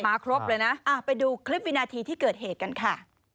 ครบเลยนะไปดูคลิปวินาทีที่เกิดเหตุกันค่ะ